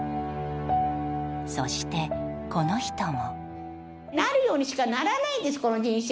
そして、この人も。